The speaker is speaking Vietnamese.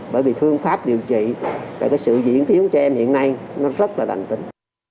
bởi vì phương pháp điều trị và sự diễn thiếu cho em hiện nay nó rất là đành tính